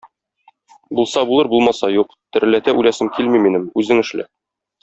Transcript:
Булса булыр, булмаса юк, тереләтә үләсем килми минем, үзең эшлә.